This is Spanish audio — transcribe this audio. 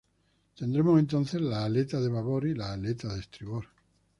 Tendremos entonces la aleta de babor y la aleta de estribor.